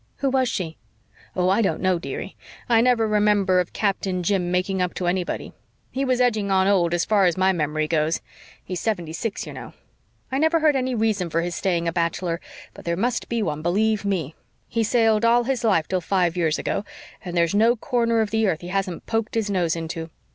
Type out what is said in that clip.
"Who was she?" "Oh, I don't know, dearie. I never remember of Captain Jim making up to anybody. He was edging on old as far as my memory goes. He's seventy six, you know. I never heard any reason for his staying a bachelor, but there must be one, believe ME. He sailed all his life till five years ago, and there's no corner of the earth he hasn't poked his nose into.